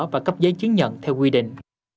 và cấp giấy chứng nhận theo quy định